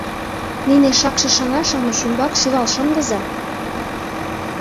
Нине шакше шыҥа-шамыч ӱмбак шӱвал шындыза.